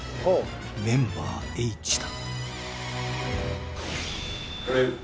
「メンバーＨだ」